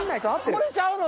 これちゃうの？